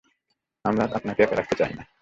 আমরা আপনাকে একা রাখতে চাই না।